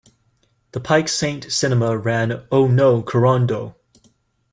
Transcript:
The Pike Saint Cinema ran O No Corondo!